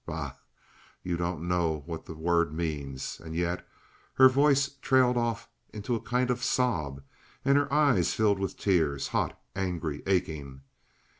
Bah! You don't know what the word means." And yet her voice trailed off into a kind of sob and her eyes filled with tears, hot, angry, aching.